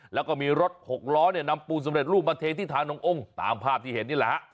และกากมีรถหกล้อนำปูนสำเร็จมาเทสิทธานองค์องค์ตามภาพดีเห็นนี่แหละ